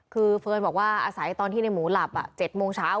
คือเฟิร์นบอกว่าอาศัยตอนที่ในหมูหลับ๗โมงเช้า